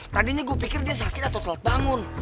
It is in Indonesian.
tadinya gue pikir dia sakit atau telat bangun